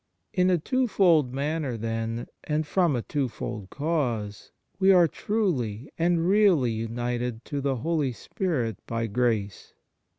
In a twofold manner, then, and from a twofold cause, we are truly and really united to the Holy Spirit by grace.